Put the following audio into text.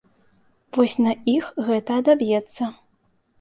Вось на іх гэта адаб'ецца.